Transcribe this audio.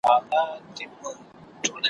که خوله وازه کړمه مځکي ته رالوېږم ,